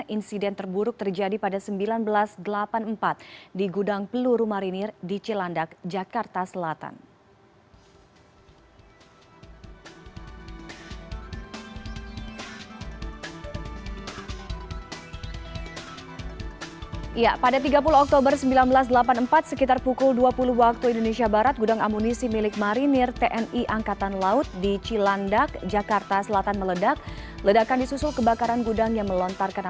insiden terburuk terjadi pada seribu sembilan ratus delapan puluh empat di gudang peluru marinir di cilandak jakarta selatan